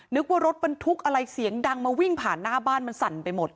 นึกว่ารถบรรทุกอะไรเสียงดังมาวิ่งผ่านหน้าบ้านมันสั่นไปหมด